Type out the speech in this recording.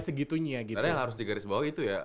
segitunya gitu karena harus digarisbawah itu ya